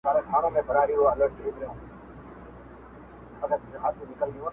هغه چي له سندرو له ښکلاوو جوړ دی,